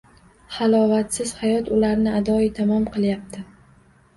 Halovatsiz hayot ularni adoyi tamom qilyapti